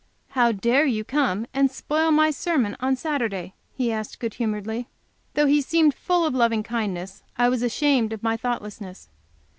"How dare you come and spoil my sermon on Saturday?" he asked, good humoredly. Though he seemed full of loving kindness, I was ashamed of my thoughtlessness.